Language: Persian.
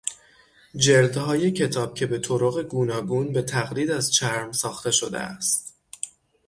جلدهای کتاب کهبه طرق گوناگون به تقلید از چرم ساخته شده است